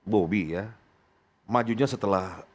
bobi ya majunya setelah